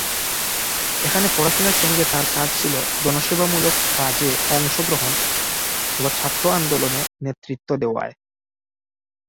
এখানে পড়াশুনার সঙ্গে তার কাজ ছিল জনসেবা মূলক কাজে অংশ গ্রহণ ও ছাত্র আন্দোলনে নেতৃত্ব দেওয়ায়।